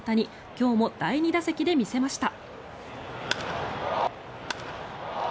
今日も第２打席で見せました。